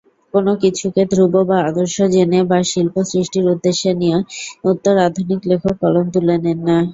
কোন কিছুকে ধ্রুব বা আদর্শ জেনে বা শিল্প সৃষ্টির উদ্দেশ্য নিয়ে উত্তর-আধুনিক লেখক কলম তুলে নেন না।